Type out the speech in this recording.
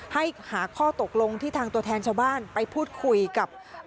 ให้หาข้อตกลงที่ทางตัวแทนชาวบ้านไปพูดคุยกับ